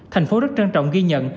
thành phố rất trân trọng ghi nhận